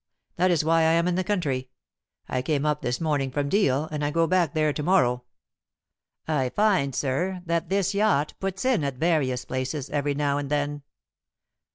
That is why I am in the country. I came up this morning from Deal, and I go back there to morrow. I find, sir, that this yacht puts in at various places every now and then."